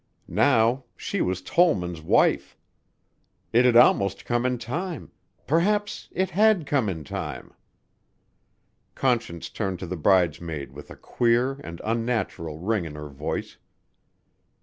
Now she was Tollman's wife. It had almost come in time. Perhaps it had come in time. Conscience turned to the bridesmaid with a queer and unnatural ring in her voice.